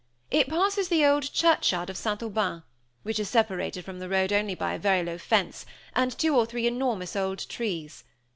It passes the old churchyard of St. Aubin, which is separated from the road only by a very low fence, and two or three enormous old trees.